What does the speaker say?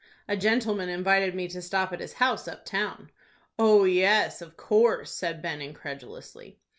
"A gentleman invited me to stop at his house up town." "Oh, yes, of course," said Ben, incredulously.